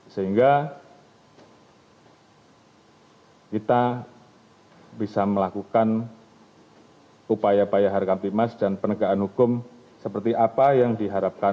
sehingga kita bisa melakukan upaya upaya hargampimas dan penegakan hukum seperti apa yang diharapkan